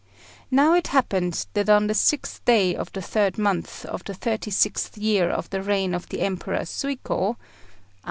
Now it happened that on the 6th day of the 3rd month of the 36th year of the reign of the Emperor Suiko (A.D.